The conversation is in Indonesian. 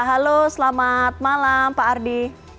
halo selamat malam pak ardi